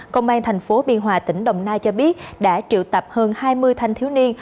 công an thành phố biên hòa tỉnh đồng nai cho biết đã triệu tập hơn hai mươi thanh thiếu niên